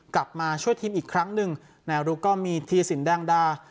กลับมาช่วยทีมอีกครั้งหนึ่งแนวรุกก็มีธีรสินแดงดา